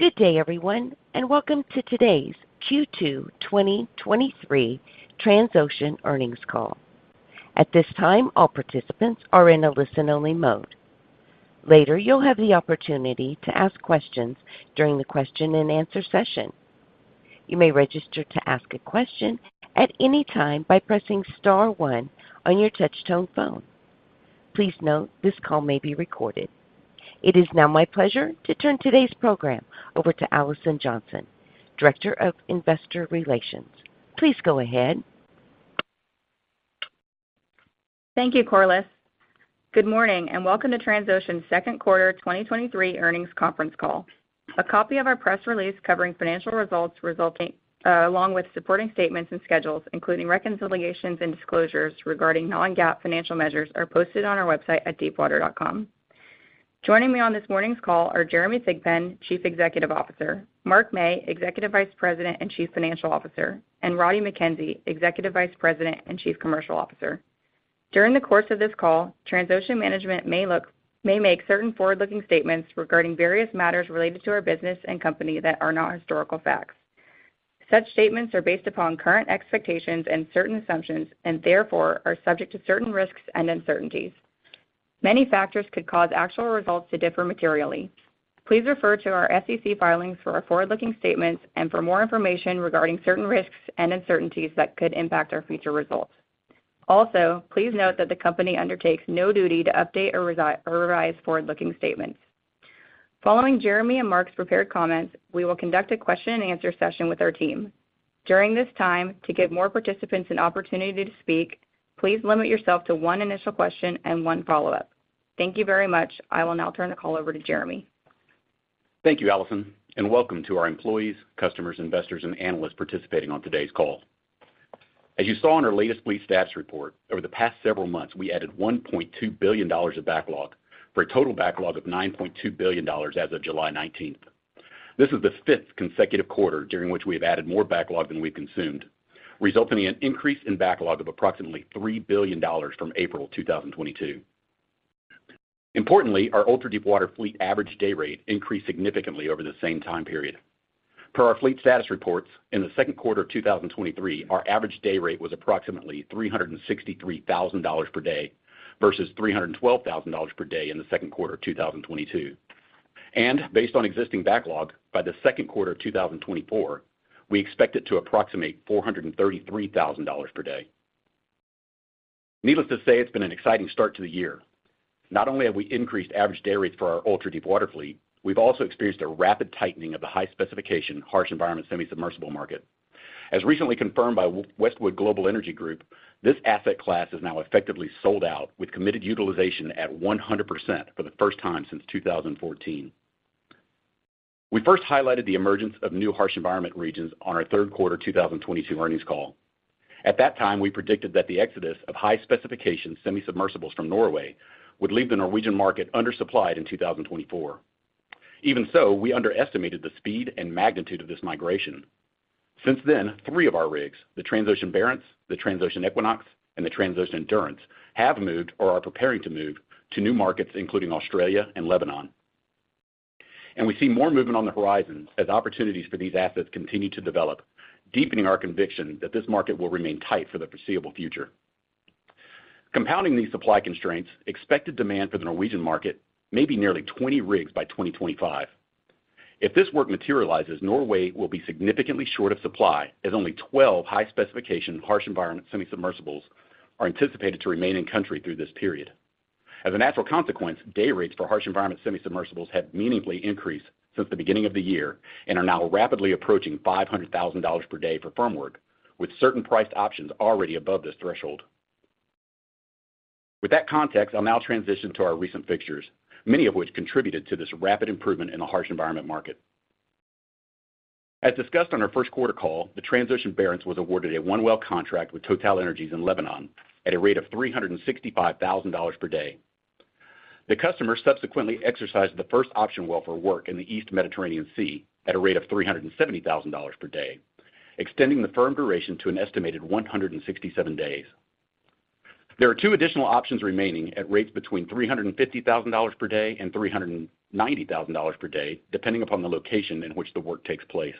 Good day, everyone, and welcome to today's Q2 2023 Transocean earnings call. At this time, all participants are in a listen-only mode. Later, you'll have the opportunity to ask questions during the question-and-answer session. You may register to ask a question at any time by pressing star one on your touchtone phone. Please note, this call may be recorded. It is now my pleasure to turn today's program over to Alison Johnson, Director of Investor Relations. Please go ahead. Thank you, Corliss. Good morning, and welcome to Transocean's second quarter 2023 earnings conference call. A copy of our press release covering financial results resulting along with supporting statements and schedules, including reconciliations and disclosures regarding non-GAAP financial measures, are posted on our website at deepwater.com. Joining me on this morning's call are Jeremy Thigpen, Chief Executive Officer; Mark Mey, Executive Vice President and Chief Financial Officer; and Roddie Mackenzie, Executive Vice President and Chief Commercial Officer. During the course of this call, Transocean management may make certain forward-looking statements regarding various matters related to our business and company that are not historical facts. Such statements are based upon current expectations and certain assumptions, and therefore are subject to certain risks and uncertainties. Many factors could cause actual results to differ materially. Please refer to our SEC filings for our forward-looking statements and for more information regarding certain risks and uncertainties that could impact our future results. Also, please note that the company undertakes no duty to update or revise forward-looking statements. Following Jeremy and Mark's prepared comments, we will conduct a question-and-answer session with our team. During this time, to give more participants an opportunity to speak, please limit yourself to one initial question and one follow-up. Thank you very much. I will now turn the call over to Jeremy. Thank you, Alison, and welcome to our employees, customers, investors, and analysts participating on today's call. As you saw in our latest fleet status report, over the past several months, we added $1.2 billion of backlog, for a total backlog of $9.2 billion as of July 19th. This is the fifth consecutive quarter during which we have added more backlog than we've consumed, resulting in an increase in backlog of approximately $3 billion from April 2022. Importantly, our ultra-deepwater fleet average day rate increased significantly over the same time period. Per our fleet status reports, in the second quarter of 2023, our average day rate was approximately $363,000 per day versus $312,000 per day in the second quarter of 2022. Based on existing backlog, by the second quarter of 2024, we expect it to approximate $433,000 per day. Needless to say, it's been an exciting start to the year. Not only have we increased average day rates for our ultra-deepwater fleet, we've also experienced a rapid tightening of the high-specification harsh environment semi-submersible market. As recently confirmed by Westwood Global Energy Group, this asset class is now effectively sold out, with committed utilization at 100% for the first time since 2014. We first highlighted the emergence of new harsh environment regions on our third quarter of 2022 earnings call. At that time, we predicted that the exodus of high-specification semi-submersibles from Norway would leave the Norwegian market undersupplied in 2024. Even so, we underestimated the speed and magnitude of this migration. Since then, three of our rigs, the Transocean Barents, the Transocean Equinox, and the Transocean Endurance, have moved or are preparing to move to new markets, including Australia and Lebanon. We see more movement on the horizon as opportunities for these assets continue to develop, deepening our conviction that this market will remain tight for the foreseeable future. Compounding these supply constraints, expected demand for the Norwegian market may be nearly 20 rigs by 2025. If this work materializes, Norway will be significantly short of supply, as only 12 high-specification, harsh environment semi-submersibles are anticipated to remain in country through this period. As a natural consequence, day rates for harsh environment semi-submersibles have meaningfully increased since the beginning of the year and are now rapidly approaching $500,000 per day for firm work, with certain priced options already above this threshold. With that context, I'll now transition to our recent fixtures, many of which contributed to this rapid improvement in the harsh environment market. As discussed on our first quarter call, the Transocean Barents was awarded a one-well contract with TotalEnergies in Lebanon at a rate of $365,000 per day. The customer subsequently exercised the first option well for work in the East Mediterranean Sea at a rate of $370,000 per day, extending the firm duration to an estimated 167 days. There are two additional options remaining at rates between $350,000 per day and $390,000 per day, depending upon the location in which the work takes place.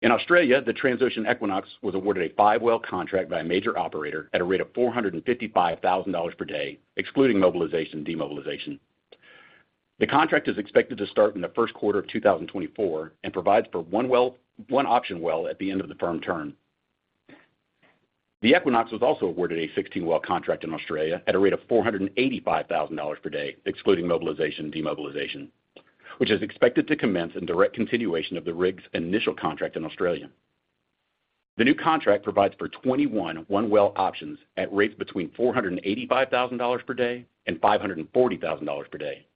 In Australia, the Transocean Equinox was awarded a five-well contract by a major operator at a rate of $455,000 per day, excluding mobilization and demobilization. The contract is expected to start in the first quarter of 2024 and provides for one option well at the end of the firm term. The Equinox was also awarded a 16-well contract in Australia at a rate of $485,000 per day, excluding mobilization and demobilization, which is expected to commence in direct continuation of the rig's initial contract in Australia. The new contract provides for 21 one-well options at rates between $485,000 per day and $540,000 per day.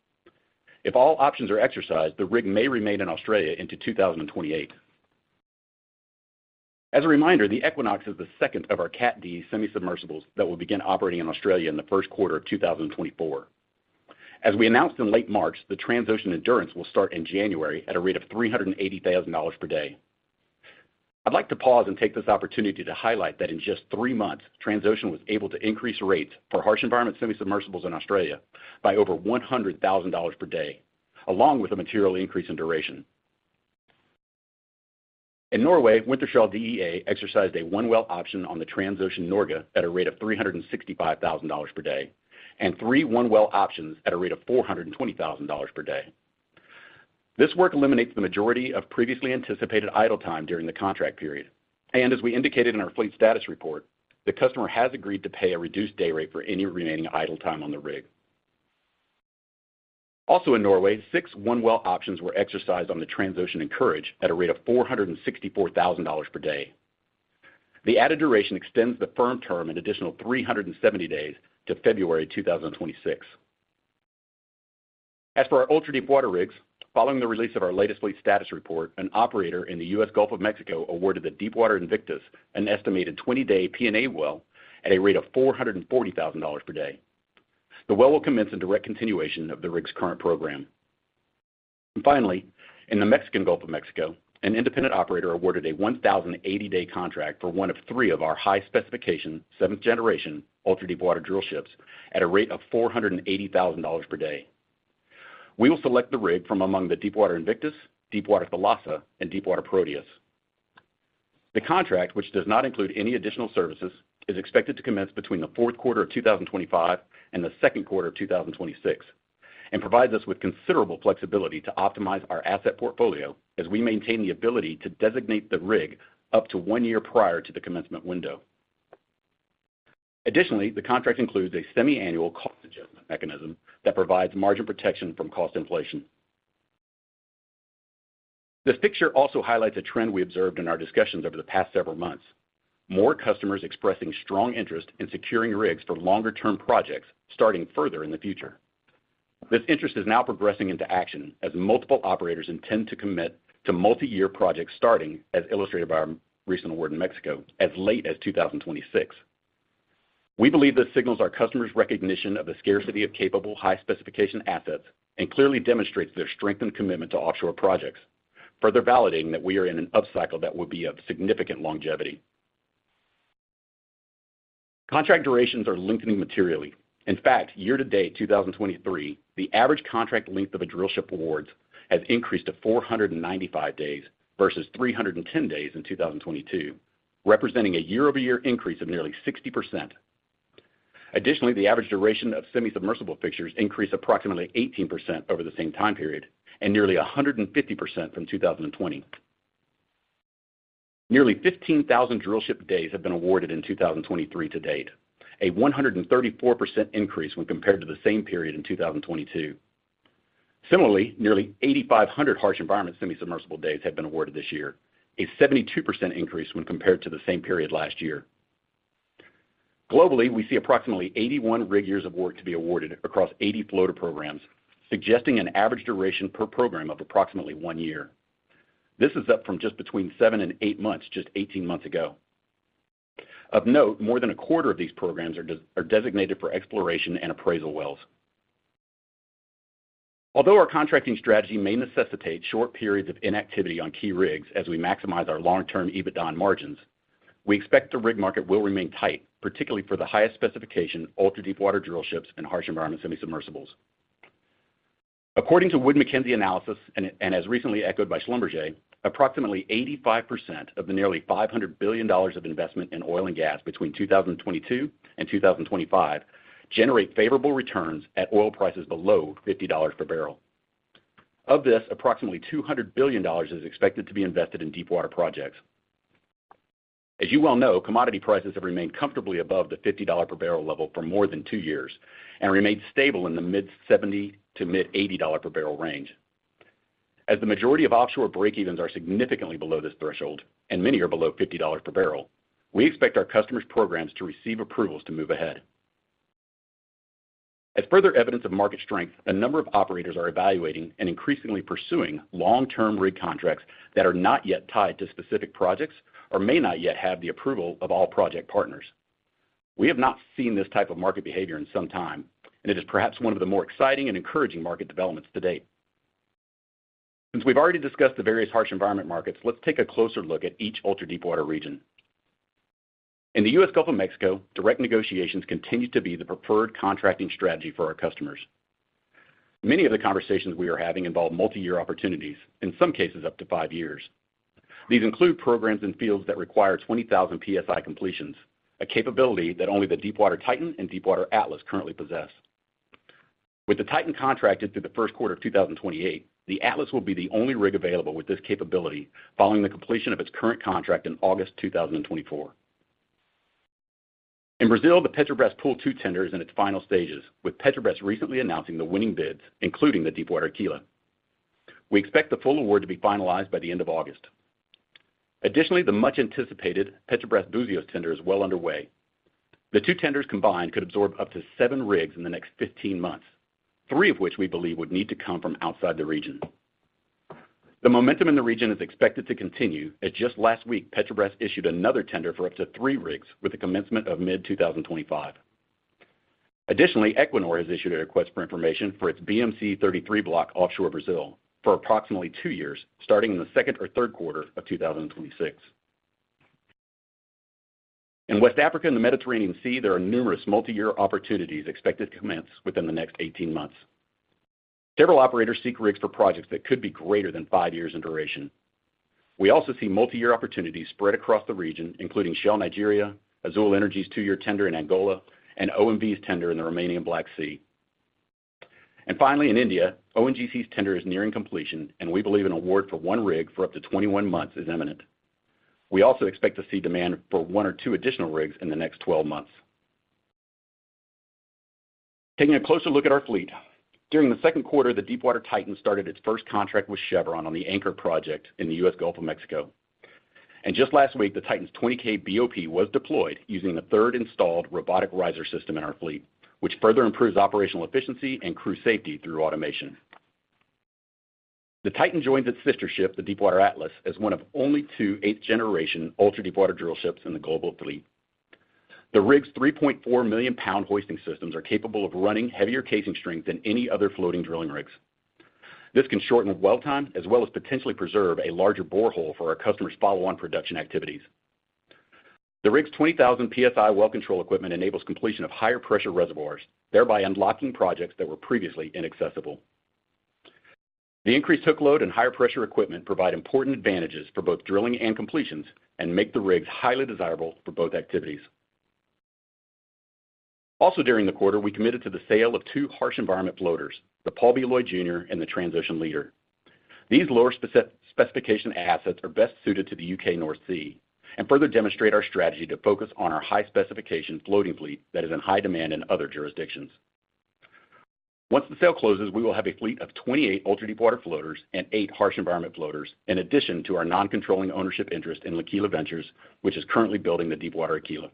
If all options are exercised, the rig may remain in Australia into 2028. As a reminder, the Equinox is the second of our Cat D semi-submersibles that will begin operating in Australia in the first quarter of 2024. As we announced in late March, the Transocean Endurance will start in January at a rate of $380,000 per day. I'd like to pause and take this opportunity to highlight that in just three months, Transocean was able to increase rates for harsh environment semi-submersibles in Australia by over $100,000 per day, along with a material increase in duration. In Norway, Wintershall Dea exercised a one-well option on the Transocean Norge at a rate of $365,000 per day, and 3 one-well options at a rate of $420,000 per day. This work eliminates the majority of previously anticipated idle time during the contract period, and as we indicated in our fleet status report, the customer has agreed to pay a reduced day rate for any remaining idle time on the rig. Also in Norway, six one-well options were exercised on the Transocean Encourage at a rate of $464,000 per day. The added duration extends the firm term an additional 370 days to February 2026. As for our ultra-deepwater rigs, following the release of our latest fleet status report, an operator in the U.S. Gulf of Mexico awarded the Deepwater Invictus an estimated 20-day P&A well at a rate of $440,000 per day. The well will commence in direct continuation of the rig's current program. Finally, in the Mexican Gulf of Mexico, an independent operator awarded a 1,080-day contract for one of three of our high-specification, seventh-generation, ultra-deepwater drillships at a rate of $480,000 per day. We will select the rig from among the Deepwater Invictus, Deepwater Thalassa, and Deepwater Proteus. The contract, which does not include any additional services, is expected to commence between the fourth quarter of 2025 and the second quarter of 2026, and provides us with considerable flexibility to optimize our asset portfolio as we maintain the ability to designate the rig up to one year prior to the commencement window. Additionally, the contract includes a semiannual cost adjustment mechanism that provides margin protection from cost inflation. This picture also highlights a trend we observed in our discussions over the past several months. More customers expressing strong interest in securing rigs for longer-term projects, starting further in the future. This interest is now progressing into action as multiple operators intend to commit to multiyear projects, starting, as illustrated by our recent award in Mexico, as late as 2026. We believe this signals our customers' recognition of the scarcity of capable, high-specification assets and clearly demonstrates their strength and commitment to offshore projects, further validating that we are in an upcycle that will be of significant longevity. Contract durations are lengthening materially. In fact, year-to-date, 2023, the average contract length of a drillship awards has increased to 495 days versus 310 days in 2022, representing a year-over-year increase of nearly 60%. Additionally, the average duration of semi-submersible fixtures increased approximately 18% over the same time period and nearly 150% from 2020. Nearly 15,000 drillship days have been awarded in 2023 to date, a 134% increase when compared to the same period in 2022. Similarly, nearly 8,500 harsh-environment semi-submersible days have been awarded this year, a 72% increase when compared to the same period last year. Globally, we see approximately 81 rig years of work to be awarded across 80 floater programs, suggesting an average duration per program of approximately one year. This is up from just between seven and eight months, just 18 months ago. Of note, more than a quarter of these programs are designated for exploration and appraisal wells. Although our contracting strategy may necessitate short periods of inactivity on key rigs as we maximize our long-term EBITDA and margins, we expect the rig market will remain tight, particularly for the highest specification, ultra-deepwater drillships and harsh-environment semi-submersibles. According to Wood Mackenzie analysis, and as recently echoed by Schlumberger, approximately 85% of the nearly $500 billion of investment in oil and gas between 2022 and 2025 generate favorable returns at oil prices below $50 per barrel. Of this, approximately $200 billion is expected to be invested in deepwater projects. As you well know, commodity prices have remained comfortably above the $50 per barrel level for more than two years and remained stable in the mid-$70 to mid-$80 per barrel range. As the majority of offshore break-evens are significantly below this threshold, and many are below $50 per barrel, we expect our customers' programs to receive approvals to move ahead. As further evidence of market strength, a number of operators are evaluating and increasingly pursuing long-term rig contracts that are not yet tied to specific projects or may not yet have the approval of all project partners. We have not seen this type of market behavior in some time, it is perhaps one of the more exciting and encouraging market developments to date. Since we've already discussed the various harsh environment markets, let's take a closer look at each ultra-deepwater region. In the U.S. Gulf of Mexico, direct negotiations continue to be the preferred contracting strategy for our customers. Many of the conversations we are having involve multiyear opportunities, in some cases, up to five years. These include programs in fields that require 20,000 psi completions, a capability that only the Deepwater Titan and Deepwater Atlas currently possess. With the Titan contracted through the first quarter of 2028, the Atlas will be the only rig available with this capability following the completion of its current contract in August 2024. In Brazil, the Petrobras Pool 2 tender is in its final stages, with Petrobras recently announcing the winning bids, including the Deepwater Aquila. We expect the full award to be finalized by the end of August. Additionally, the much-anticipated Petrobras Búzios tender is well underway. The two tenders combined could absorb up to seven rigs in the next 15 months, three of which we believe would need to come from outside the region. The momentum in the region is expected to continue, as just last week, Petrobras issued another tender for up to 3 rigs with a commencement of mid-2025. Additionally, Equinor has issued a request for information for its BMC 33 block offshore Brazil for approximately two years, starting in the second or third quarter of 2026. In West Africa and the Mediterranean Sea, there are numerous multi-year opportunities expected to commence within the next 18 months. Several operators seek rigs for projects that could be greater than five years in duration. We also see multi-year opportunities spread across the region, including Shell Nigeria, Azule Energy's two-year tender in Angola, and OMV's tender in the Romanian Black Sea. Finally, in India, ONGC's tender is nearing completion, and we believe an award for one rig for up to 21 months is imminent. We also expect to see demand for one or two additional rigs in the next 12 months. Taking a closer look at our fleet, during the second quarter, the Deepwater Titan started its first contract with Chevron on the Anchor project in the U.S. Gulf of Mexico. Just last week, the Titan's 20k BOP was deployed using the third installed robotic riser system in our fleet, which further improves operational efficiency and crew safety through automation. The Titan joins its sister ship, the Deepwater Atlas, as one of only two eighth-generation ultra-deepwater drillships in the global fleet. The rig's 3.4 million-pound hoisting systems are capable of running heavier casing strength than any other floating drilling rigs. This can shorten well-time, as well as potentially preserve a larger borehole for our customers' follow-on production activities. The rig's 20,000 psi well control equipment enables completion of higher-pressure reservoirs, thereby unlocking projects that were previously inaccessible. The increased hook load and higher pressure equipment provide important advantages for both drilling and completions and make the rigs highly desirable for both activities. During the quarter, we committed to the sale of two harsh environment floaters, the Paul B. Loyd, Jr. and the Transocean Leader. These lower specification assets are best suited to the U.K. North Sea and further demonstrate our strategy to focus on our high-specification floating fleet that is in high demand in other jurisdictions. Once the sale closes, we will have a fleet of 28 ultra-deepwater floaters and eight harsh environment floaters, in addition to our non-controlling ownership interest in Liquila Ventures, which is currently building the Deepwater Aquila.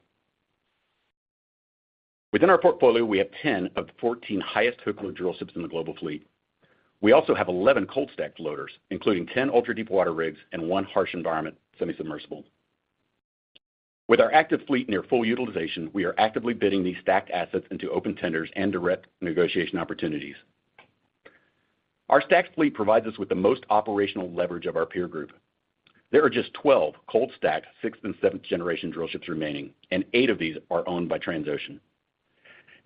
Within our portfolio, we have 10 of the 14 highest hook load drillships in the global fleet. We also have 11 cold stacked floaters, including 10 ultra-deepwater rigs and one harsh environment semi-submersible. With our active fleet near full utilization, we are actively bidding these stacked assets into open tenders and direct negotiation opportunities. Our stacked fleet provides us with the most operational leverage of our peer group. There are just 12 cold stacked sixth and seventh generation drillships remaining, and eight of these are owned by Transocean.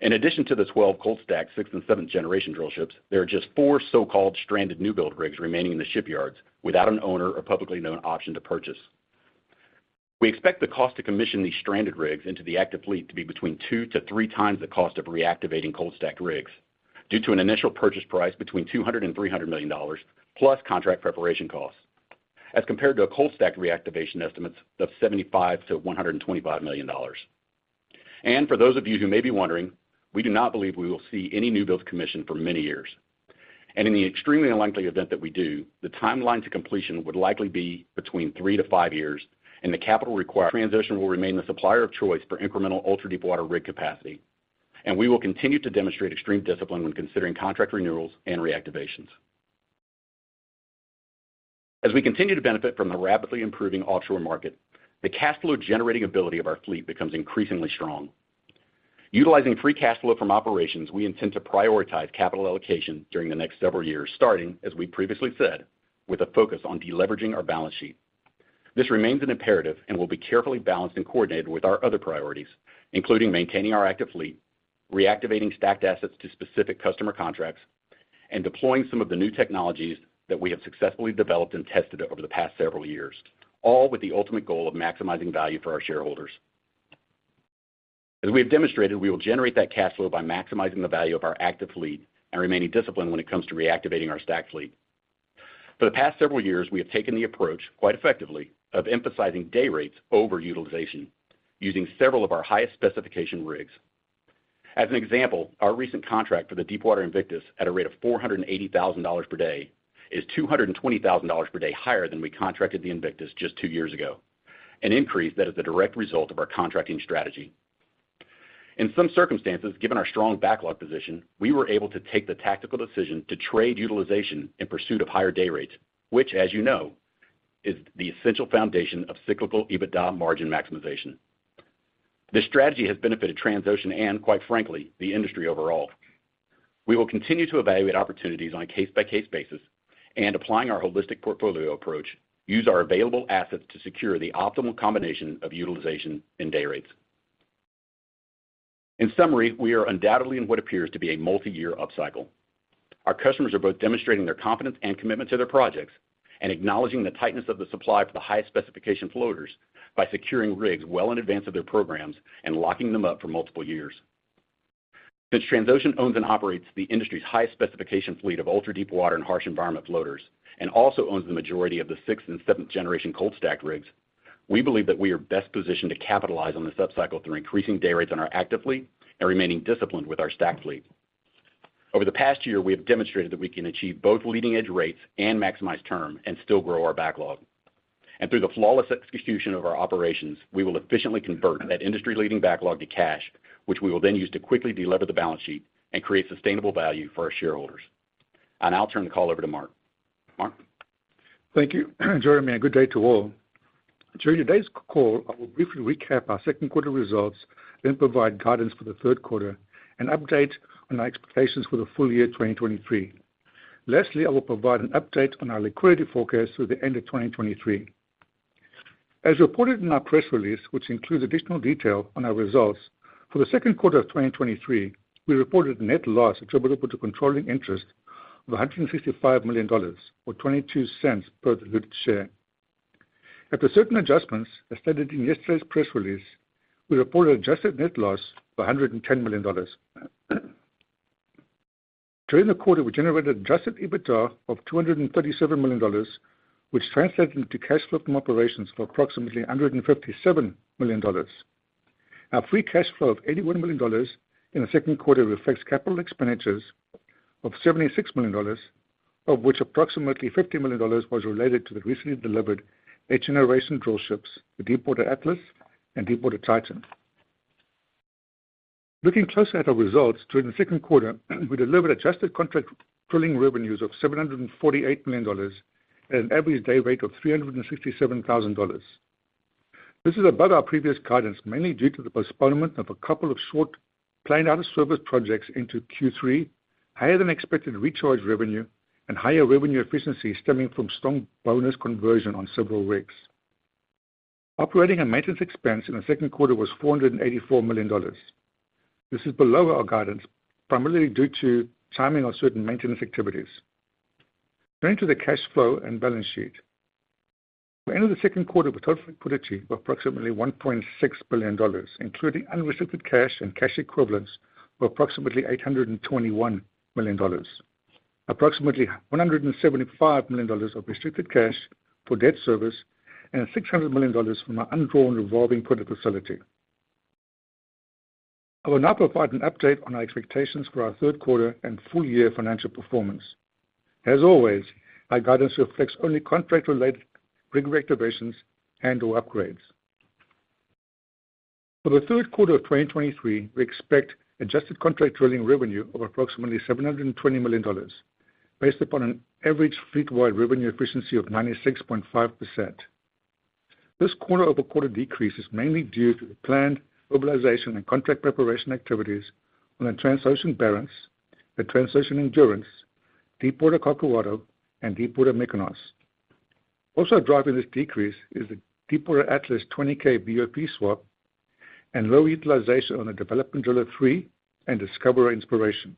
In addition to the 12 cold stacked sixth and seventh generation drillships, there are just four so-called stranded newbuild rigs remaining in the shipyards without an owner or publicly known option to purchase. We expect the cost to commission these stranded rigs into the active fleet to be between two to three times the cost of reactivating cold stacked rigs due to an initial purchase price between $200 million-$300 million, plus contract preparation costs, as compared to a cold stacked reactivation estimates of $75 million-$125 million. For those of you who may be wondering, we do not believe we will see any new builds commissioned for many years, and in the extremely unlikely event that we do, the timeline to completion would likely be between three to five years, and the capital required. Transocean will remain the supplier of choice for incremental ultra-deepwater rig capacity, and we will continue to demonstrate extreme discipline when considering contract renewals and reactivations. As we continue to benefit from the rapidly improving offshore market, the cash flow-generating ability of our fleet becomes increasingly strong. Utilizing free cash flow from operations, we intend to prioritize capital allocation during the next several years, starting, as we previously said, with a focus on deleveraging our balance sheet. This remains an imperative and will be carefully balanced and coordinated with our other priorities, including maintaining our active fleet, reactivating stacked assets to specific customer contracts, and deploying some of the new technologies that we have successfully developed and tested over the past several years, all with the ultimate goal of maximizing value for our shareholders. As we have demonstrated, we will generate that cash flow by maximizing the value of our active fleet and remaining disciplined when it comes to reactivating our stacked fleet. For the past several years, we have taken the approach, quite effectively, of emphasizing day rates over utilization, using several of our highest specification rigs. As an example, our recent contract for the Deepwater Invictus at a rate of $480,000 per day is $220,000 per day higher than we contracted the Invictus just two years ago, an increase that is the direct result of our contracting strategy. In some circumstances, given our strong backlog position, we were able to take the tactical decision to trade utilization in pursuit of higher day rates, which, as you know, is the essential foundation of cyclical EBITDA margin maximization. This strategy has benefited Transocean and, quite frankly, the industry overall. We will continue to evaluate opportunities on a case-by-case basis and, applying our holistic portfolio approach, use our available assets to secure the optimal combination of utilization and day rates. In summary, we are undoubtedly in what appears to be a multi-year upcycle. Our customers are both demonstrating their confidence and commitment to their projects and acknowledging the tightness of the supply for the highest specification floaters by securing rigs well in advance of their programs and locking them up for multiple years. Since Transocean owns and operates the industry's highest specification fleet of ultra-deepwater and harsh environment floaters, and also owns the majority of the sixth and seventh generation cold stacked rigs, we believe that we are best positioned to capitalize on this upcycle through increasing day rates on our active fleet and remaining disciplined with our stacked fleet. Over the past year, we have demonstrated that we can achieve both leading-edge rates and maximize term and still grow our backlog. Through the flawless execution of our operations, we will efficiently convert that industry-leading backlog to cash, which we will then use to quickly delever the balance sheet and create sustainable value for our shareholders. I'll turn the call over to Mark. Mark? Thank you, Jeremy, and good day to all. During today's call, I will briefly recap our second quarter results, provide guidance for the third quarter, and update on our expectations for the full year 2023. Lastly, I will provide an update on our liquidity forecast through the end of 2023. As reported in our press release, which includes additional detail on our results, for the second quarter of 2023, we reported net loss attributable to controlling interest of $155 million, or $0.22 per diluted share. After certain adjustments, as stated in yesterday's press release, we reported adjusted net loss of $110 million. During the quarter, we generated Adjusted EBITDA of $237 million, which translated into cash flow from operations of approximately $157 million. Our free cash flow of $81 million in the second quarter affects capital expenditures of $76 million, of which approximately $50 million was related to the recently delivered H generation drillships, the Deepwater Atlas and Deepwater Titan. Looking closer at our results, during the second quarter, we delivered adjusted contract drilling revenues of $748 million at an average day rate of $367,000. This is above our previous guidance, mainly due to the postponement of a couple of short planned out-of-service projects into Q3, higher than expected recharge revenue, and higher revenue efficiency stemming from strong bonus conversion on several rigs. Operating and maintenance expense in the second quarter was $484 million. This is below our guidance, primarily due to timing of certain maintenance activities. Turning to the cash flow and balance sheet. At the end of the second quarter, we total liquidity of approximately $1.6 billion, including unrestricted cash and cash equivalents of approximately $821 million. Approximately $175 million of restricted cash for debt service, and $600 million from our undrawn revolving credit facility. I will now provide an update on our expectations for our third quarter and full year financial performance. As always, our guidance reflects only contract-related rig reactivations and/or upgrades. For the third quarter of 2023, we expect Adjusted contract drilling revenue of approximately $720 million, based upon an average fleet-wide revenue efficiency of 96.5%. This quarter-over-quarter decrease is mainly due to the planned mobilization and contract preparation activities on the Transocean Barents, the Transocean Endurance, Deepwater Corcovado, and Deepwater Mykonos. Also driving this decrease is the Deepwater Atlas 20K BOP swap and low utilization on the Development Driller III and Discoverer Inspiration.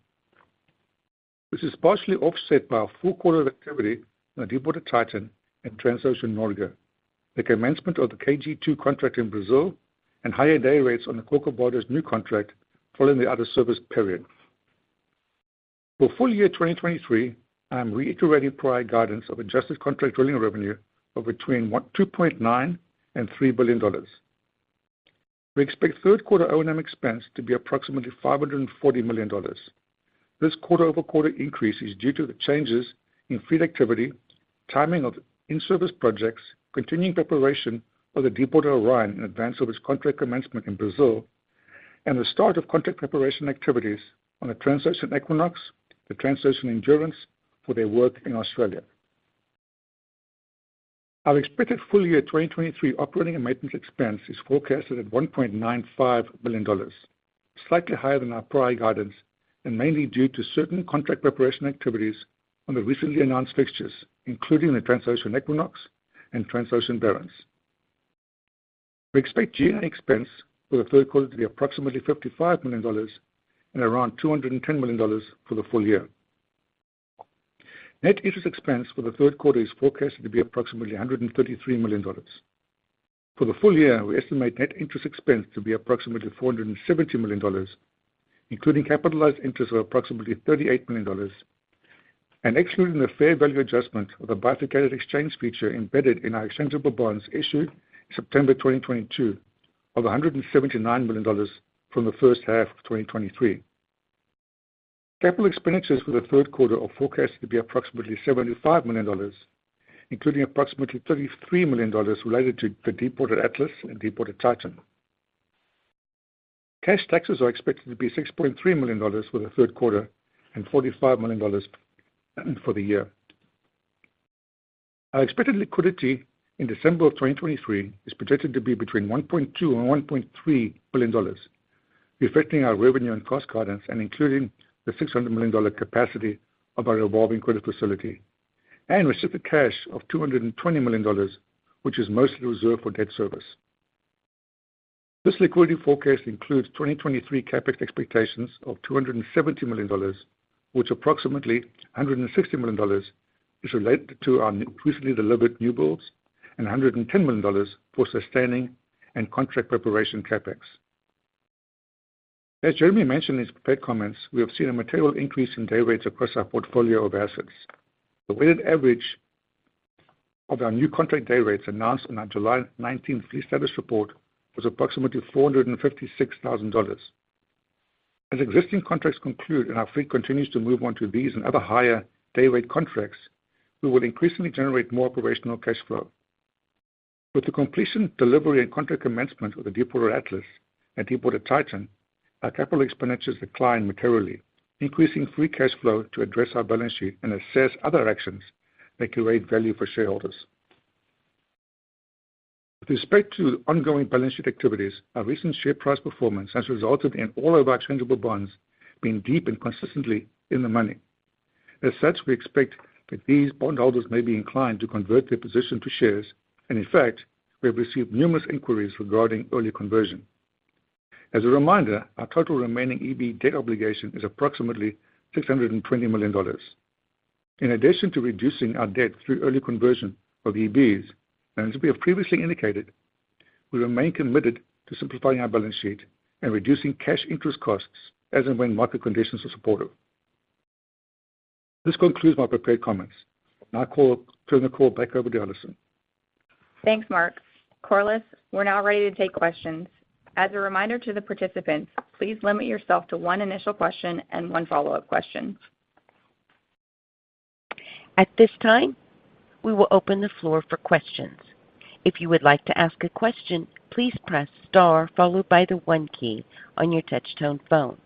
This is partially offset by a full quarter of activity on Deepwater Titan and Transocean Norge, the commencement of the KG2 contract in Brazil, and higher dayrates on the Deepwater Corcovado new contract following the out-of-service period. For full year 2023, I am reiterating prior guidance of adjusted contract drilling revenue of between $2.9 billion and $3 billion. We expect third quarter O&M expense to be approximately $540 million. This quarter-over-quarter increase is due to the changes in fleet activity, timing of in-service projects, continuing preparation of the Deepwater Orion in advance of its contract commencement in Brazil, and the start of contract preparation activities on the Transocean Equinox, the Transocean Endurance for their work in Australia. Our expected full year 2023 operating and maintenance expense is forecasted at $1.95 billion, slightly higher than our prior guidance, and mainly due to certain contract preparation activities on the recently announced fixtures, including the Transocean Equinox and Transocean Barents. We expect general expense for the third quarter to be approximately $55 million and around $210 million for the full year. Net interest expense for the third quarter is forecasted to be approximately $133 million. For the full year, we estimate net interest expense to be approximately $470 million, including capitalized interest of approximately $38 million, and excluding the fair value adjustment of the bifurcated exchange feature embedded in our exchangeable bonds issued September 2022 of $179 million from the first half of 2023. Capital expenditures for the third quarter are forecasted to be approximately $75 million, including approximately $33 million related to the Deepwater Atlas and Deepwater Titan. Cash taxes are expected to be $6.3 million for the third quarter and $45 million for the year. Our expected liquidity in December of 2023 is projected to be between $1.2 billion and $1.3 billion, reflecting our revenue and cost guidance and including the $600 million capacity of our revolving credit facility, and restricted cash of $220 million, which is mostly reserved for debt service. This liquidity forecast includes 2023 CapEx expectations of $270 million, which approximately $160 million is related to our recently delivered new builds and $110 million for sustaining and contract preparation CapEx. As Jeremy mentioned in his prepared comments, we have seen a material increase in day rates across our portfolio of assets. The weighted average of our new contract day rates announced in our July 19th fleet status report was approximately $456,000. As existing contracts conclude and our fleet continues to move on to these and other higher day rate contracts, we will increasingly generate more operational cash flow. With the completion, delivery, and contract commencement of the Deepwater Atlas and Deepwater Titan, our capital expenditures decline materially, increasing free cash flow to address our balance sheet and assess other actions that create value for shareholders. With respect to ongoing balance sheet activities, our recent share price performance has resulted in all of our exchangeable bonds being deep and consistently in the money. As such, we expect that these bondholders may be inclined to convert their position to shares, and in fact, we have received numerous inquiries regarding early conversion. As a reminder, our total remaining EB debt obligation is approximately $620 million. In addition to reducing our debt through early conversion of EBs, and as we have previously indicated, we remain committed to simplifying our balance sheet and reducing cash interest costs as and when market conditions are supportive. This concludes my prepared comments. Now, turn the call back over to Alison. Thanks, Mark. Corliss, we're now ready to take questions. As a reminder to the participants, please limit yourself to one initial question and one follow-up question. At this time, we will open the floor for questions. If you would like to ask a question, please press star followed by the one key on your touchtone phone.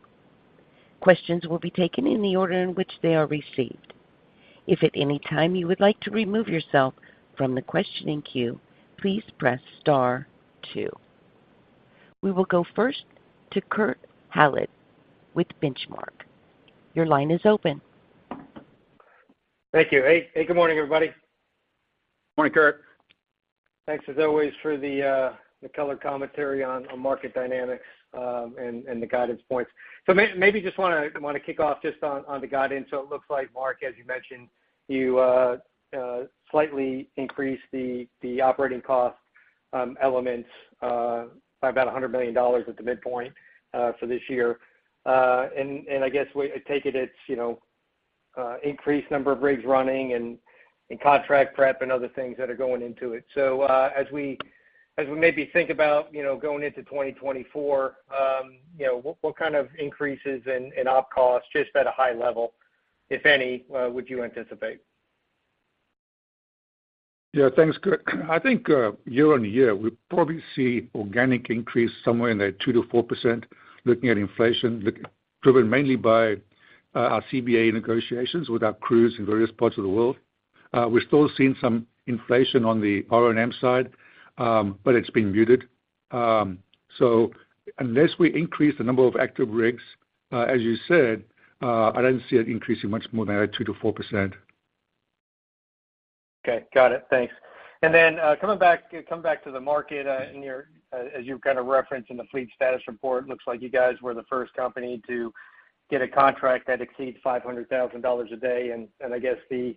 Questions will be taken in the order in which they are received. If at any time you would like to remove yourself from the questioning queue, please press star two. We will go first to Kurt Hallead with The Benchmark Company. Your line is open. Thank you. Hey, hey, good morning, everybody. Morning, Kurt. Thanks, as always, for the color commentary on market dynamics and the guidance points. Maybe just wanna kick off just on the guidance. It looks like, Mark, as you mentioned, you slightly increased the operating cost elements by about $100 million at the midpoint for this year. I guess I take it, it's, you know, increased number of rigs running and contract prep and other things that are going into it. As we, as we maybe think about, you know, going into 2024, you know, what, what kind of increases in op costs, just at a high level, if any, would you anticipate? Yeah. Thanks, Kurt. I think, year on year, we'll probably see organic increase somewhere in the 2%-4%, looking at inflation, driven mainly by our CBA negotiations with our crews in various parts of the world. We're still seeing some inflation on the R&M side, but it's been muted. Unless we increase the number of active rigs, as you said, I don't see it increasing much more than a 2%-4%. Okay. Got it. Thanks. Then, come back to the market, in your, as you've kind of referenced in the fleet status report, looks like you guys were the first company to get a contract that exceeds $500,000 a day. I guess the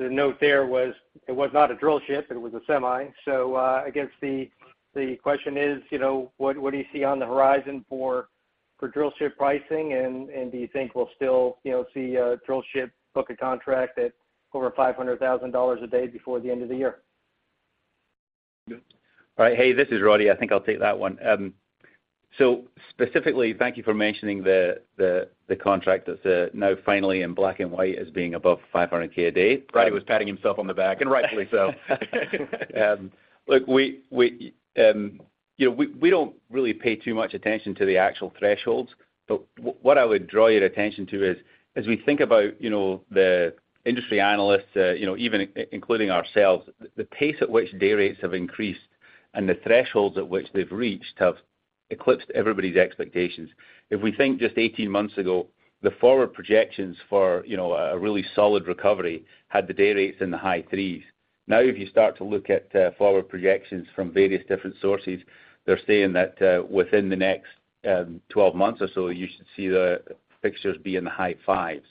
note there was, it was not a drillship, it was a semi. I guess the question is, you know, what do you see on the horizon for drillship pricing? Do you think we'll still, you know, see a drillship book a contract at over $500,000 a day before the end of the year? All right. Hey, this is Roddie. I think I'll take that one. Specifically, thank you for mentioning the, the, the contract that's now finally in black and white as being above $500,000 a day. Roddie was patting himself on the back, and rightfully so. Look, we, we, you know, we, we don't really pay too much attention to the actual thresholds, but what I would draw your attention to is, as we think about, you know, the industry analysts, you know, even including ourselves, the pace at which day rates have increased and the thresholds at which they've reached have eclipsed everybody's expectations. If we think just 18 months ago, the forward projections for, you know, a really solid recovery had the day rates in the high threes. Now, if you start to look at forward projections from various different sources, they're saying that within the next 12 months or so, you should see the fixtures be in the high fives.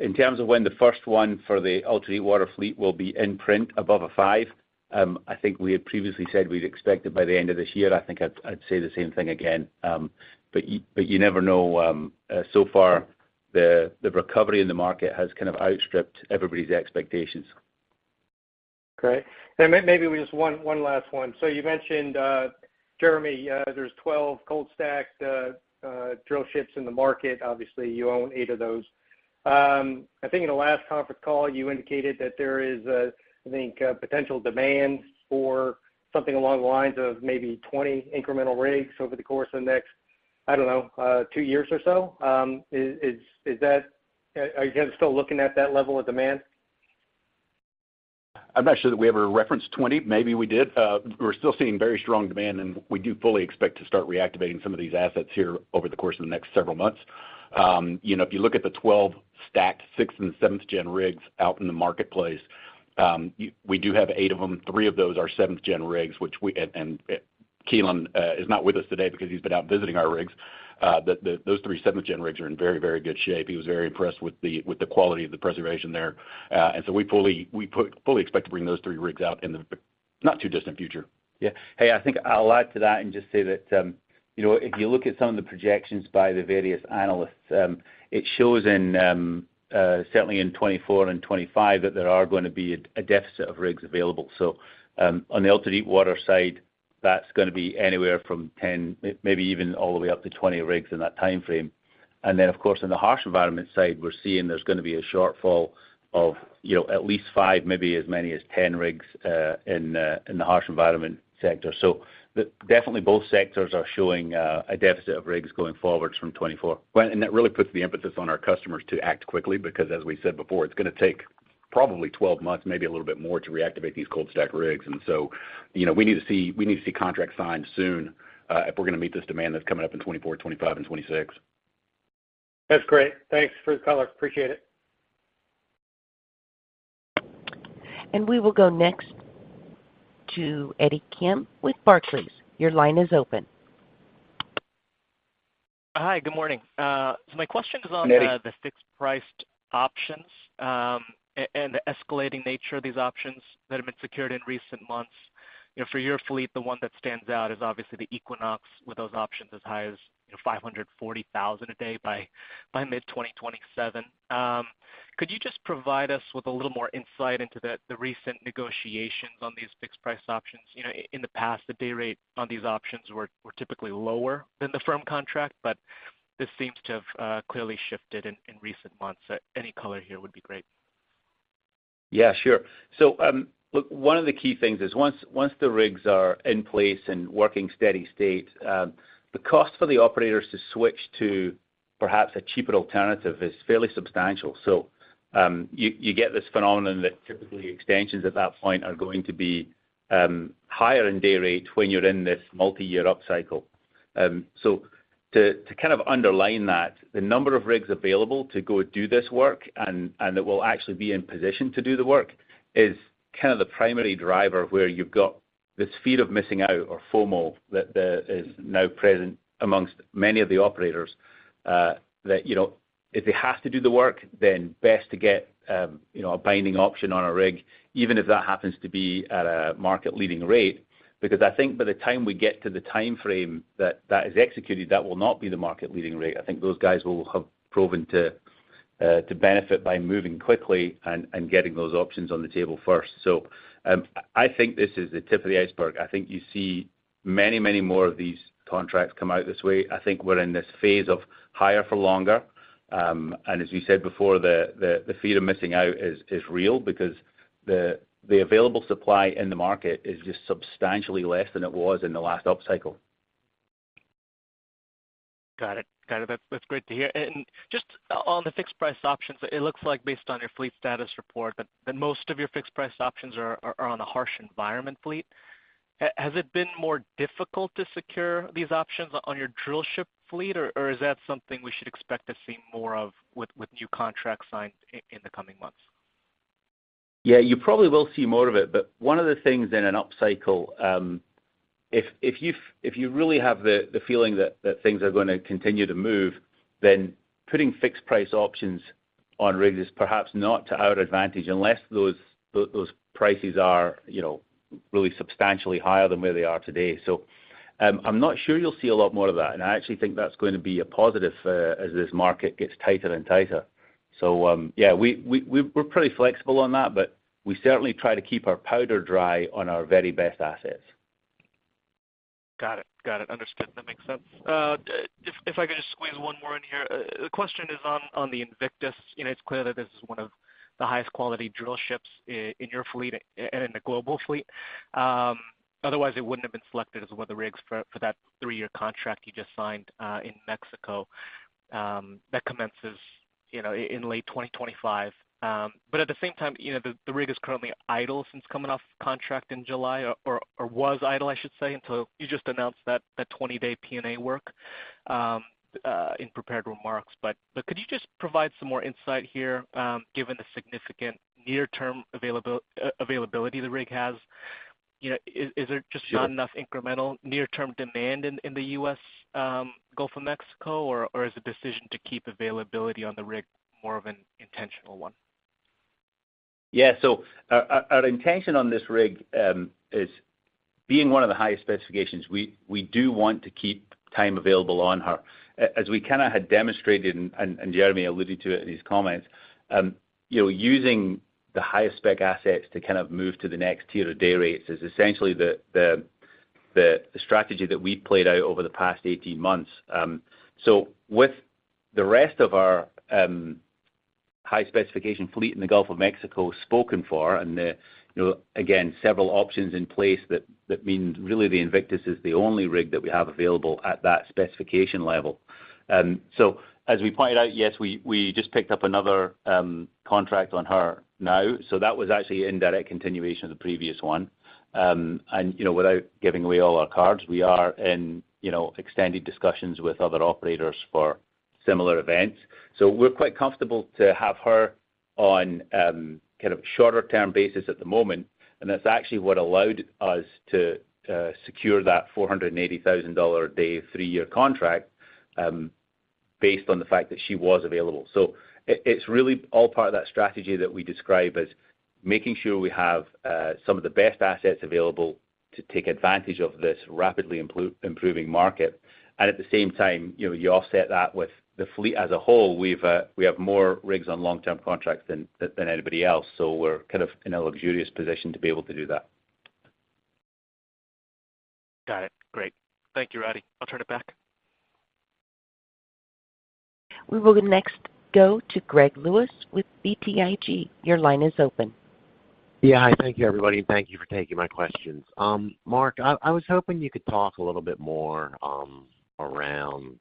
In terms of when the first one for the ultra-deepwater fleet will be in print above $500,000, I think we had previously said we'd expect it by the end of this year. I think I'd, I'd say the same thing again. But you never know, so far, the recovery in the market has kind of outstripped everybody's expectations. Great. Maybe just one, one last one. You mentioned, Jeremy, there's 12 cold stacked drillships in the market. Obviously, you own 8 of those. I think in the last conference call, you indicated that there is, I think, potential demand for something along the lines of maybe 20 incremental rigs over the course of the next 2 years or so. Is that, are you guys still looking at that level of demand? I'm not sure that we ever referenced 20. Maybe we did. We're still seeing very strong demand, and we do fully expect to start reactivating some of these assets here over the course of the next several months. You know, if you look at the 12 stacked sixth and seventh-generation rigs out in the marketplace, you, we do have eight of them. Three of those are seventh-generation rigs, which Keelan is not with us today because he's been out visiting our rigs. Those three seventh-generation rigs are in very, very good shape. He was very impressed with the quality of the preservation there. So we fully, fully expect to bring those three rigs out in the not too distant future. Yeah. Hey, I think I'll add to that and just say that, you know, if you look at some of the projections by the various analysts, it shows in, certainly in 2024 and 2025, that there are going to be a deficit of rigs available. On the ultra-deepwater side. That's gonna be anywhere from 10, maybe even all the way up to 20 rigs in that time frame. Of course, in the harsh environment side, we're seeing there's gonna be a shortfall of, you know, at least 5, maybe as many as 10 rigs, in the, in the harsh environment sector. Definitely both sectors are showing a deficit of rigs going forward from 2024. That really puts the emphasis on our customers to act quickly, because as we said before, it's gonna take probably 12 months, maybe a little bit more, to reactivate these cold stack rigs. You know, we need to see, we need to see contracts signed soon, if we're gonna meet this demand that's coming up in 2024, 2025, and 2026. That's great. Thanks for the color. Appreciate it. We will go next to Eddie Kim with Barclays. Your line is open. Hi, good morning. My question is— Hey, Eddie. —the fixed-priced options, and the escalating nature of these options that have been secured in recent months. You know, for your fleet, the one that stands out is obviously the Equinox, with those options as high as, you know, $540,000 a day by, by mid-2027. Could you just provide us with a little more insight into the, the recent negotiations on these fixed-price options? You know, in the past, the day rate on these options were, were typically lower than the firm contract, but this seems to have clearly shifted in, in recent months. Any color here would be great. Yeah, sure. Look, one of the key things is once the rigs are in place and working steady state, the cost for the operators to switch to perhaps a cheaper alternative is fairly substantial. You, you get this phenomenon that typically extensions at that point are going to be higher in day rate when you're in this multiyear upcycle. To, to kind of underline that, the number of rigs available to go do this work, and, and that will actually be in position to do the work, is kind of the primary driver where you've got this fear of missing out, or FOMO, that is now present amongst many of the operators. That, you know, if they have to do the work, then best to get, you know, a binding option on a rig, even if that happens to be at a market-leading rate. I think by the time we get to the time frame that that is executed, that will not be the market-leading rate. I think those guys will have proven to benefit by moving quickly and, and getting those options on the table first. I think this is the tip of the iceberg. I think you see many, many more of these contracts come out this way. I think we're in this phase of higher for longer. As we said before, the fear of missing out is real because the, the available supply in the market is just substantially less than it was in the last upcycle. Got it. Got it. That's, that's great to hear. Just on the fixed price options, it looks like based on your fleet status report, that most of your fixed-price options are on the harsh environment fleet. Has it been more difficult to secure these options on your drillship fleet, or is that something we should expect to see more of with new contracts signed in the coming months? Yeah, you probably will see more of it. One of the things in an upcycle, if, if you if you really have the, the feeling that, that things are gonna continue to move, then putting fixed-price options on rigs is perhaps not to our advantage, unless those, those prices are, you know, really substantially higher than where they are today. I'm not sure you'll see a lot more of that, and I actually think that's going to be a positive, as this market gets tighter and tighter. Yeah, we're pretty flexible on that, but we certainly try to keep our powder dry on our very best assets. Got it. Got it. Understood. That makes sense. If I could just squeeze one more in here? The question is on the Invictus. You know, it's clear that this is one of the highest quality drillships in your fleet and in the global fleet. Otherwise, it wouldn't have been selected as one of the rigs for that three-year contract you just signed, in Mexico, that commences, you know, in late 2025. At the same time, you know, the rig is currently idle since coming off contract in July or, was idle, I should say, until you just announced that 20-day P&A work, in prepared remarks. Could you just provide some more insight here, given the significant near-term availability the rig has? You know, is there just not enough incremental near-term demand in the U.S. Gulf of Mexico, or is the decision to keep availability on the rig more of an intentional one? Yeah. Our intention on this rig, is being one of the highest specifications, we do want to keep time available on her. As we kinda had demonstrated, and Jeremy alluded to it in his comments, you know, using the highest-spec assets to kind of move to the next tier of day rates is essentially the strategy that we've played out over the past 18 months. With the rest of our high-specification fleet in the Gulf of Mexico spoken for, and, you know, again, several options in place, that means really the Invictus is the only rig that we have available at that specification level. As we pointed out, yes, we just picked up another contract on her now, so that was actually in direct continuation of the previous one. You know, without giving away all our cards, we are in, you know, extended discussions with other operators for similar events. We're quite comfortable to have her on, kind of shorter-term basis at the moment, and that's actually what allowed us to secure that $480,000 a day, three-year contract, based on the fact that she was available. It's really all part of that strategy that we describe as making sure we have some of the best assets available to take advantage of this rapidly improving market. At the same time, you know, you offset that with the fleet as a whole. We've, we have more rigs on long-term contracts than, than anybody else, so we're kind of in a luxurious position to be able to do that. Got it. Great. Thank you, Roddie. I'll turn it back. We will next go to Greg Lewis with BTIG. Your line is open. Yeah. Hi, thank you, everybody, and thank you for taking my questions. Mark, I was hoping you could talk a little bit more around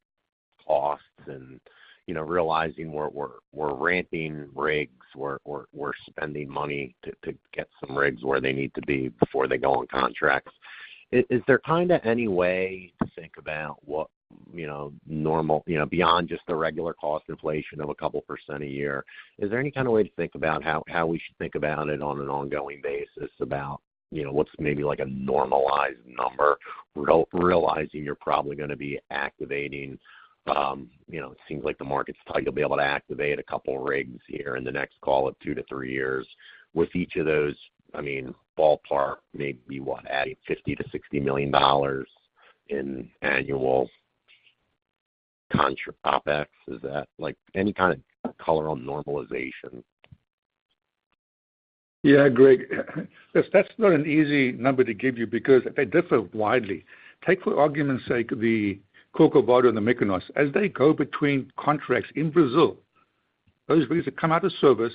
costs and, you know, realizing we're ramping rigs, we're spending money to get some rigs where they need to be before they go on contracts. Is there kind of any way to think about what, you know, normal, you know, beyond just the regular cost inflation of a couple percent a year? Is there any kind of way to think about how we should think about it on an ongoing basis, about, you know, what's maybe like a normalized number? Realizing you're probably gonna be activating, you know, it seems like the market's tight. You'll be able to activate a couple rigs here in the next call of two to three years. With each of those, I mean, ballpark, maybe what, adding $50 million-$60 million in annual contra OpEx? Is that, like, any kind of color on normalization? Yeah, Greg, that's, that's not an easy number to give you because they differ widely. Take for argument's sake, the Corcovado and the Mykonos. As they go between contracts in Brazil, those rigs that come out of service,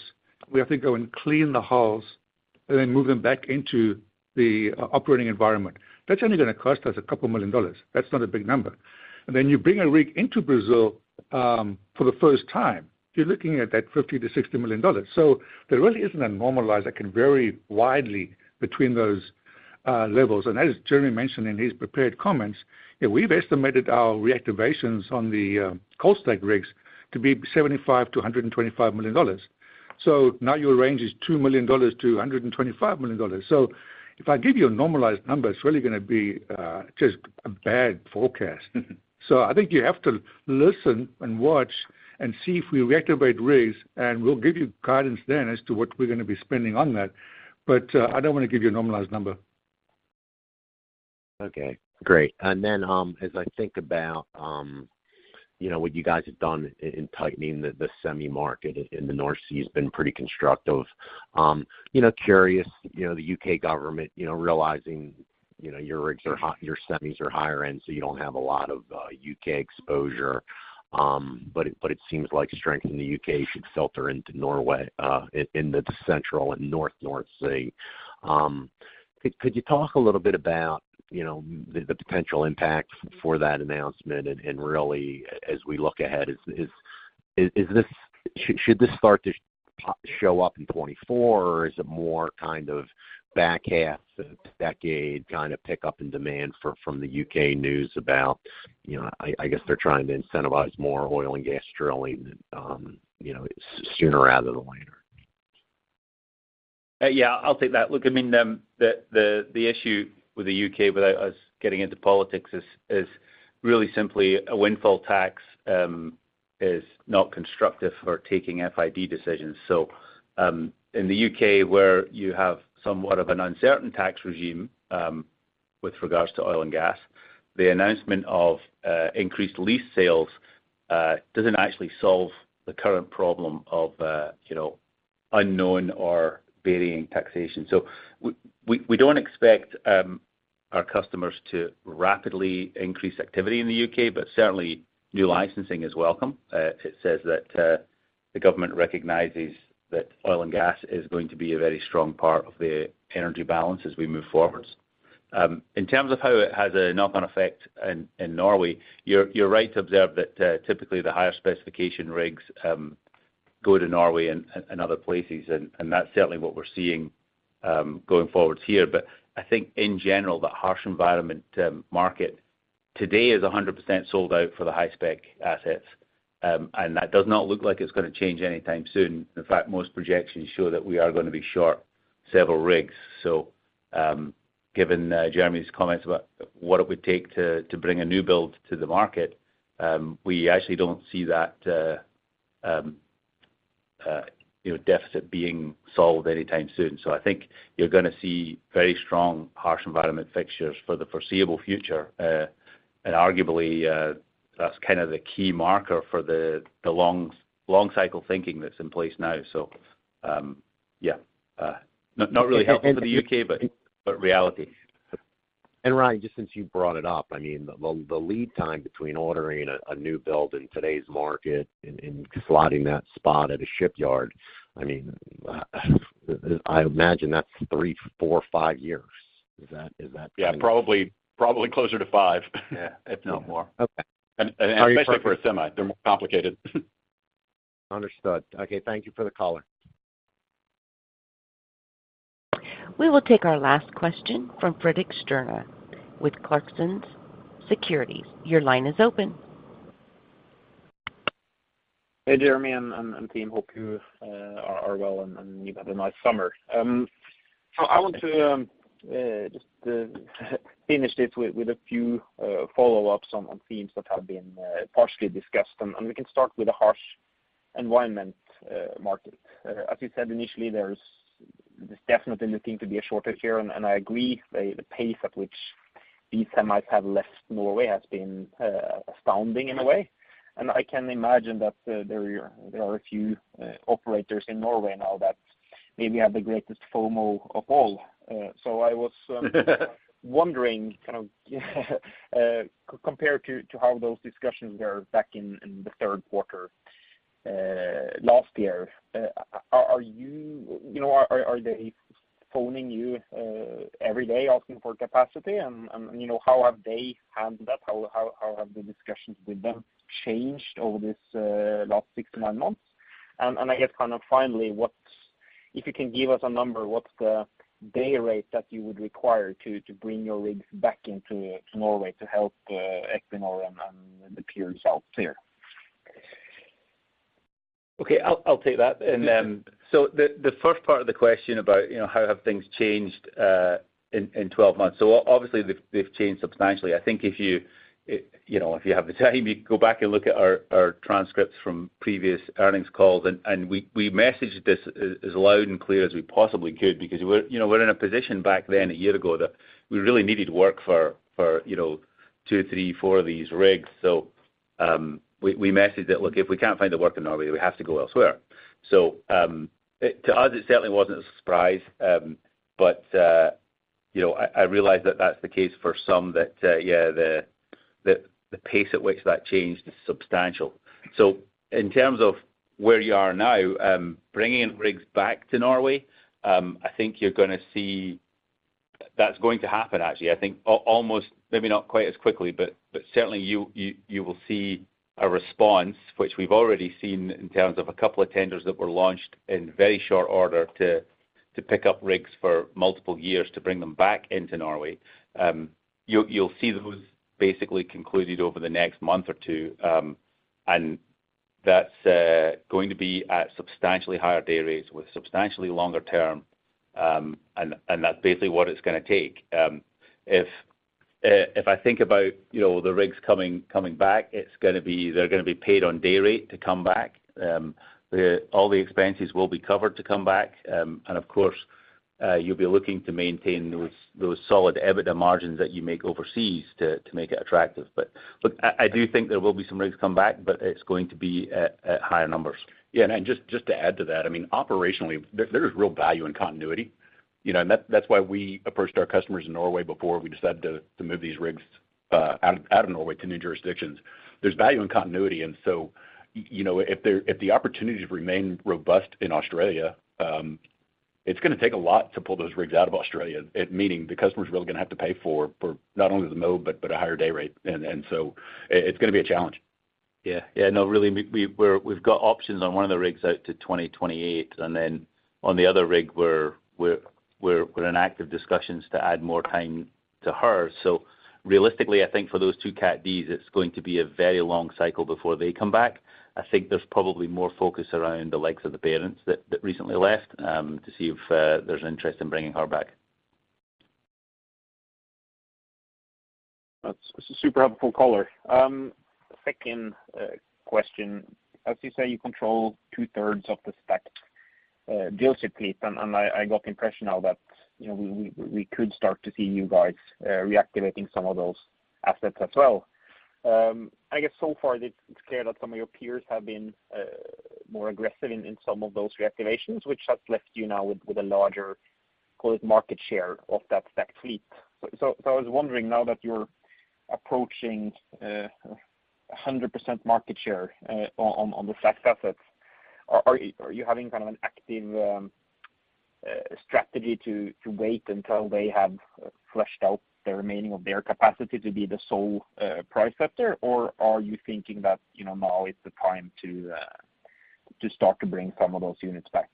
we have to go and clean the hulls and then move them back into the operating environment. That's only gonna cost us $2 million. That's not a big number. Then you bring a rig into Brazil for the first time, you're looking at that $50 million-$60 million. There really isn't a normalized. That can vary widely between those levels. As Jeremy mentioned in his prepared comments, yeah, we've estimated our reactivations on the Coldstack rigs to be $75 million-$125 million. Now your range is $2 million-$125 million. If I give you a normalized number, it's really gonna be just a bad forecast. I think you have to listen and watch and see if we reactivate rigs, and we'll give you guidance then as to what we're gonna be spending on that. I don't wanna give you a normalized number. Okay, great. As I think about, you know, what you guys have done in tightening the semi market in the North Sea has been pretty constructive. You know, curious, you know, the U.K. government, you know, realizing, you know, your rigs are hot, your semis are higher end, so you don't have a lot of U.K. exposure. But it seems like strength in the U.K. should filter into Norway, in the central and north of North Sea. Could you talk a little bit about, you know, the potential impact for that announcement? Really, as we look ahead, should this start to pop, show up in 2024, or is it more kind of back half the decade, kind of pick up in demand for, from the U.K. news about, you know, I, I guess they're trying to incentivize more oil and gas drilling, you know, sooner rather than later? Yeah, I'll take that. Look, I mean, the issue with the U.K., without us getting into politics, is really simply a windfall tax is not constructive for taking FID decisions. In the U.K., where you have somewhat of an uncertain tax regime, with regards to oil and gas, the announcement of increased lease sales doesn't actually solve the current problem of, you know, unknown or varying taxation. We don't expect our customers to rapidly increase activity in the U.K., but certainly new licensing is welcome. It says that the government recognizes that oil and gas is going to be a very strong part of the energy balance as we move forward. In terms of how it has a knock-on effect in Norway, you're, you're right to observe that typically, the higher specification rigs go to Norway and other places, and that's certainly what we're seeing going forwards here. I think in general, the harsh environment market today is 100% sold out for the high-spec assets. And that does not look like it's gonna change anytime soon. In fact, most projections show that we are gonna be short several rigs. Given Jeremy's comments about what it would take to bring a new build to the market, we actually don't see that deficit being solved anytime soon. I think you're gonna see very strong, harsh environment fixtures for the foreseeable future. Arguably, that's kind of the key marker for the long cycle thinking that's in place now. Yeah, not, not really helpful to the U.K., but, but reality. Roddie, just since you brought it up, I mean, the lead time between ordering a new build in today's market and slotting that spot at a shipyard, I mean, I imagine that's three, four, five years. Is that correct? Yeah, probably, probably closer to five. Yeah, if not more. Okay. And especially for a semi, they're more complicated. Understood. Okay, thank you for the color. We will take our last question from Fredrik Stene with Clarksons Securities. Your line is open. Hey, Jeremy and team. Hope you are well, and you've had a nice summer. I want to just finish this with a few follow-ups on themes that have been partially discussed, and we can start with the harsh environment market. As you said initially, there's definitely looking to be a shortage here, and I agree, the pace at which these semis have left Norway has been astounding in a way. I can imagine that there are a few operators in Norway now that maybe have the greatest FOMO of all. I was wondering, kind of, compared to, to how those discussions were back in, in the third quarter last year, are, are you, you know, are, are, are they phoning you every day asking for capacity? You know, how have they handled that? How, how, how have the discussions with them changed over this last six to nine months? I guess, kind of finally, what's if you can give us a number, what's the day rate that you would require to, to bring your rigs back into Norway to help Equinor and the peers out there? Okay, I'll, I'll take that. The, the first part of the question about, you know, how have things changed, in, in 12 months. Obviously, they've, they've changed substantially. I think if you, you know, if you have the time, you go back and look at our, our transcripts from previous earnings calls, and, and we, we messaged this as, as loud and clear as we possibly could, because we're, you know, we're in a position back then, a year ago, that we really needed work for, you know, two, three, four of these rigs. We messaged that, look, if we can't find the work in Norway, we have to go elsewhere. To us, it certainly wasn't a surprise. You know, I realize that that's the case for some that, yeah, the pace at which that changed is substantial. In terms of where you are now, bringing rigs back to Norway, I think you're gonna see. That's going to happen, actually. I think almost, maybe not quite as quickly, but, but certainly you will see a response, which we've already seen in terms of a couple of tenders that were launched in very short order to, to pick up rigs for multiple years to bring them back into Norway. You'll, you'll see those basically concluded over the next month or two. That's going to be at substantially higher day rates with substantially longer term. And that's basically what it's gonna take. If I think about, you know, the rigs coming, coming back, they're gonna be paid on day rate to come back. All the expenses will be covered to come back. Of course, you'll be looking to maintain those, those solid EBITDA margins that you make overseas to make it attractive. Look, I do think there will be some rigs come back, but it's going to be at higher numbers. Yeah, just, just to add to that, I mean, operationally, there, there is real value in continuity, you know, that's why we approached our customers in Norway before we decided to, to move these rigs out, out of Norway to new jurisdictions. There's value in continuity, so, you know, if there, if the opportunities remain robust in Australia, it's gonna take a lot to pull those rigs out of Australia, it meaning, the customer's really gonna have to pay for not only the move, but a higher day rate. So it's gonna be a challenge. Yeah. Yeah, no, really, we, we've got options on one of the rigs out to 2028, and then on the other rig, we're, we're, we're, we're in active discussions to add more time to her. Realistically, I think for those two Cat Ds, it's going to be a very long cycle before they come back. I think there's probably more focus around the likes of the Barents that, that recently left, to see if there's interest in bringing her back. That's a super helpful color. Second question: As you say, you control two-thirds of the stacked drillship fleet, and I got the impression now that, you know, we could start to see you guys reactivating some of those assets as well. I guess so far, it's clear that some of your peers have been more aggressive in, in some of those reactivations, which has left you now with a larger, call it, market share of that stacked fleet. I was wondering, now that you're approaching 100% market share on the stacked assets, are you having kind of an active strategy to wait until they have flushed out the remaining of their capacity to be the sole price setter, or are you thinking that, you know, now is the time to start to bring some of those units back?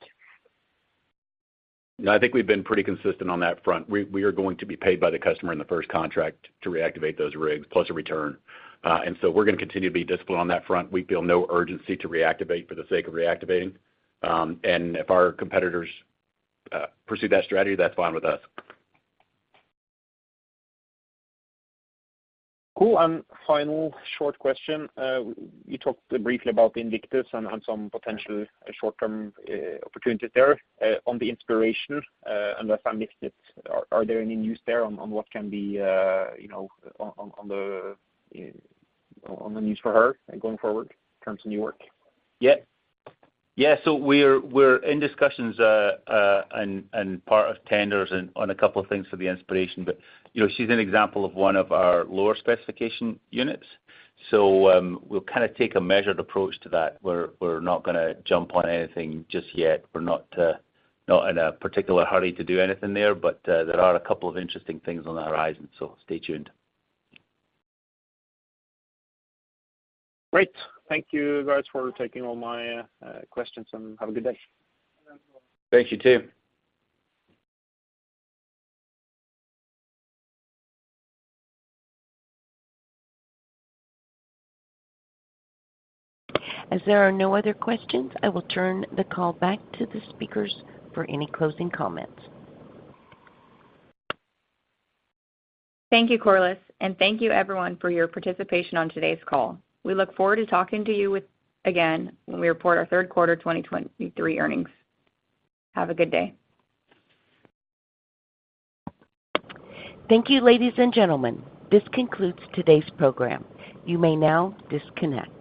No, I think we've been pretty consistent on that front. We, we are going to be paid by the customer in the first contract to reactivate those rigs, plus a return. So we're gonna continue to be disciplined on that front. We feel no urgency to reactivate for the sake of reactivating. If our competitors pursue that strategy, that's fine with us. Cool, and final short question. You talked briefly about the indicators and some potential short-term opportunities there on the Discoverer Inspiration. Are there any news there on what can be, you know, on the news for her going forward in terms of new work? Yeah. Yeah, we're, we're in discussions, and, and part of tenders and on a couple of things for the Inspiration. You know, she's an example of one of our lower specification units. We'll kind of take a measured approach to that. We're, we're not gonna jump on anything just yet. We're not, not in a particular hurry to do anything there, there are a couple of interesting things on the horizon, so stay tuned. Great. Thank you, guys, for taking all my questions, and have a good day. Thank you, too. As there are no other questions, I will turn the call back to the speakers for any closing comments. Thank you, Corliss, and thank you everyone for your participation on today's call. We look forward to talking to you again when we report our third quarter 2023 earnings. Have a good day. Thank you, ladies and gentlemen. This concludes today's program. You may now disconnect.